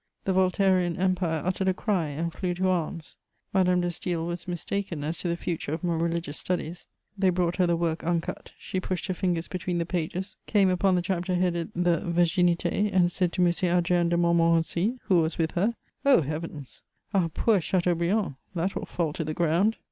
The Voltairean empire uttered a cry and flew to arms. Madame de Staël was mistaken as to the future of my religious studies: they brought her the work uncut; she pushed her fingers between the pages, came upon the chapter headed the Virginité, and said to M. Adrien de Montmorency, who was with her: "Oh Heavens! Our poor Chateaubriand! That will fall to the ground!"